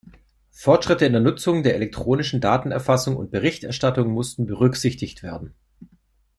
Fortschritte in der Nutzung der elektronischen Datenerfassung und Berichterstattung mussten berücksichtigt werden.